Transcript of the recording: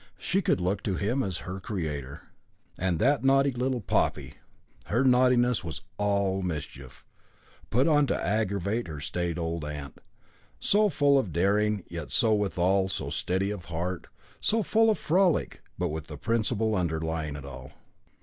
She could look to him as her creator. And that naughty little Poppy! Her naughtiness was all mischief, put on to aggravate her staid old aunt, so full of daring, and yet withal so steady of heart; so full of frolic, but with principle underlying it all.